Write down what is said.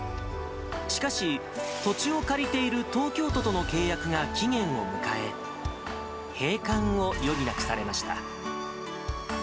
しかし、土地を借りている東京都との契約が期限を迎え、閉館を余儀なくされました。